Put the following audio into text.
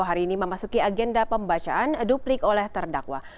hari ini memasuki agenda pembacaan duplik oleh terdakwa